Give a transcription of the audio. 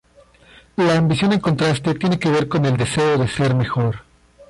La ambición en contraste, tiene que ver con el deseo de ser mejor.